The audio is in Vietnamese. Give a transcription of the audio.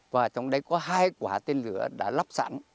và trong đấy có hai quả tên lửa đã lắp sẵn